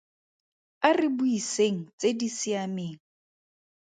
A re buiseng tse di siameng.